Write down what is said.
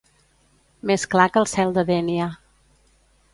Més clar que el cel de Dénia.